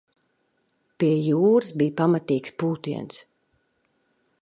Pie jūras bija pamatīgs pūtiens.